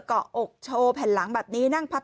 เกาะอกโชว์แผ่นหลังแบบนี้นั่งพับ